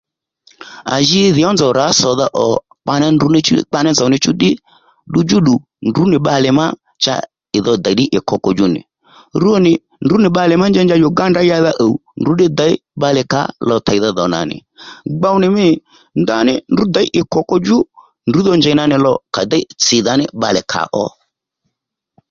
À ji dhi nzow ní nzòw rǎ sòdha ò kpakpaní nzòw níchú ddí ddudjú ddù ndrǔ nì bbalè má cha ì dho dèy ddí ì koko djò nì rwo nì ndrǔ nì bbalè má njanja Uganda ó yǎdha ùw ndrǔddí teydha dhò nà nì gbow nì mî ndaní ndrǔ děy ì koko djú ndrǔ dho njèy na ní lò kà déy tsìdha nì bbalè ka ò